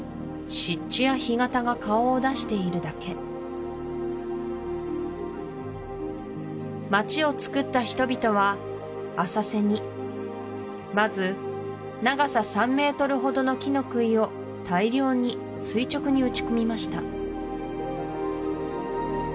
湿地や干潟が顔を出しているだけ街をつくった人々は浅瀬にまず長さ３ｍほどの木のくいを大量に垂直に打ち込みました